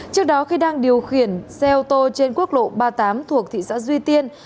trước đó khi đang điều khiển xe ô tô trên quốc lộ ba mươi tám thuộc tp duy tiên